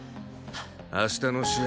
明日の試合